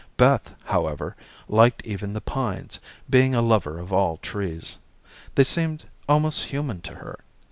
Beth, however, liked even the pines, being a lover of all trees. They seemed almost human to her.